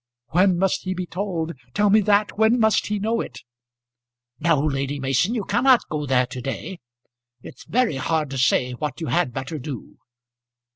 When must he be told? Tell me that. When must he know it?" "No, Lady Mason; you cannot go there to day. It's very hard to say what you had better do."